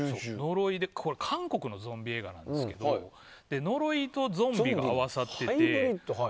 韓国のゾンビ映画なんですが呪いとゾンビが合わさっていて。